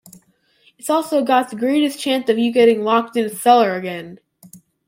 It's also got the greatest chance of you getting locked in a cellar again.